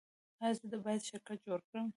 ایا زه باید شرکت جوړ کړم؟